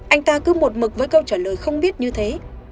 anh ta cứ một mực với câu trả lời không biết như thế